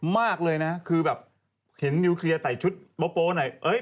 มากเลยนะคือแบบเห็นนิวเคลียร์ใส่ชุดโป๊หน่อย